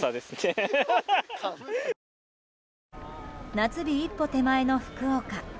夏日一歩手前の福岡。